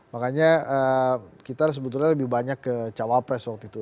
makanya kita sebetulnya lebih banyak ke cawapres waktu itu